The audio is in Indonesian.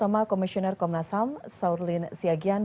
dan apakah pasar angkinya ter current dan konkret untuk penyelesaian isu ham